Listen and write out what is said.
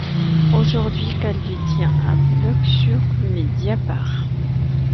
Aujourd'hui Calvi tient un blog sur Médiapart.